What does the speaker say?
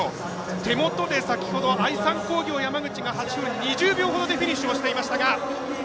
手元で先ほど、愛三工業、山口が８分２０秒ほどでフィニッシュをしていましたが。